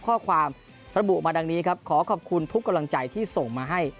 ข้อความระบุมาดังนี้ครับขอขอบคุณทุกกำลังใจที่ส่งมาให้